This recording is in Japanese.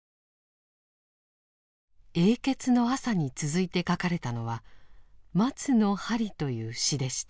「永訣の朝」に続いて書かれたのは「松の針」という詩でした。